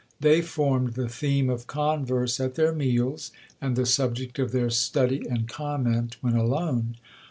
They formed the theme of converse at their meals, and the subject of their study and comment when alone.